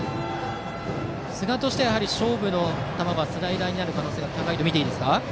寿賀としては勝負の球はスライダーになる可能性が高いですか。